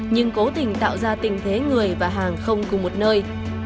nhưng cố tình tạo ra tình thế người và hàng không của một nơi